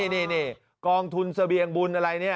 นี่กองทุนเสบียงบุญอะไรเนี่ย